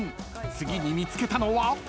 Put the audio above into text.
［次に見つけたのは］